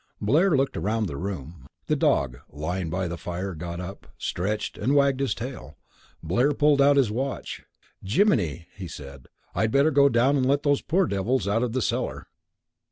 Blair looked round the room. The dog, lying by the fire, got up, stretched, and wagged his tail. Blair pulled out his watch. "Giminy!" he said, "I'd better go down and let those poor devils out of the cellar."